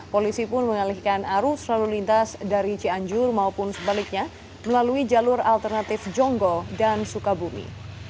polisi pun mengalihkan arus lalu lintas dari cianjur maupun sebaliknya melalui jalur alternatif jonggo dan sukabumi